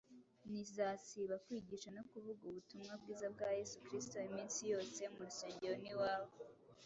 ntizasiba kwigisha no kuvuga Ubutumwa Bwiza bwa Yesu Kristo iminsi yose mu rusengero n’iwabo.